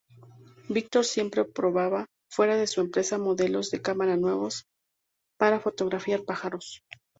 Victor siempre probaba fuera de su empresa modelos de cámara nuevos para fotografiar pájaros.